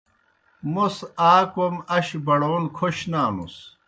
موْس آ کوْم اش بڑون کھوْش نانُس۔